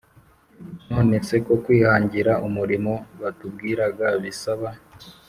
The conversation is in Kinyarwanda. − None se ko kwihangira umurimo batubwiraga bisaba